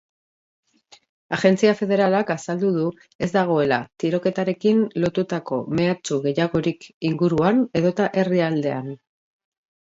Agentzia federalak azaldu du ez dagoela tiroketarekin lotutako mehatxu gehiagorik inguruan edota herrialdean.